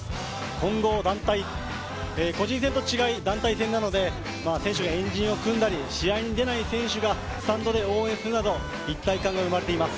混合団体、個人戦と違い団体戦なので選手が円陣を組んだり試合に出ない選手がスタンドで応援するなど、一体感が生まれています。